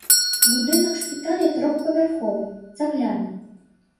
Будынак шпіталя трохпавярховы, цагляны.